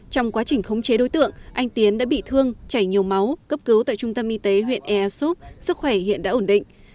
trong quá trình khống chế đối tượng anh tiến đã bị thương chảy nhiều máu cấp cứu tại trung tâm y tế huyện ea súp sức khỏe hiện đã ổn định